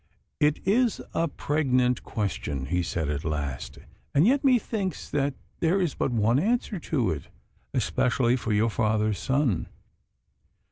'It is a pregnant question,' he said at last, 'and yet methinks that there is but one answer to it, especially for your father's son.